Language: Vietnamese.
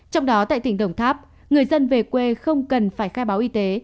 trong đó tại tỉnh đồng tháp người dân về quê không cần phải khai báo y tế